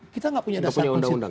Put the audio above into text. kita tidak punya dasar konstitusinya